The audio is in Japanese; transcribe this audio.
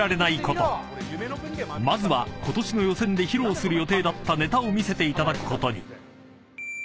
［まずはことしの予選で披露する予定だったネタを見せていただくことに］